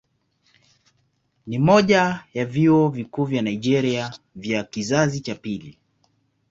Ni mmoja ya vyuo vikuu vya Nigeria vya kizazi cha pili.